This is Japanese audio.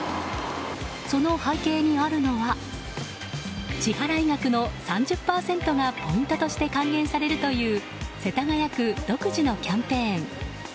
その背景にあるのは支払額の３０％がポイントとして還元されるという世田谷区独自のキャンペーン。